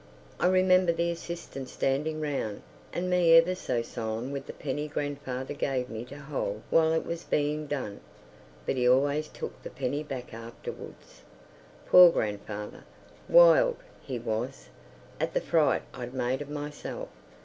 I remember the assistants standing round, and me ever so solemn with the penny grandfather gave me to hold while it was being done.... But he always took the penny back afterwards. Poor grandfather! Wild, he was, at the fright I'd made of myself.